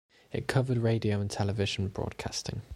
It covered radio and television broadcasting.